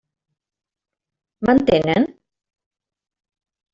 M'entenen?